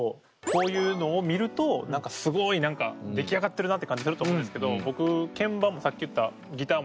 こういうのを見ると何かすごい何か出来上がってるなって感じすると思うんですけど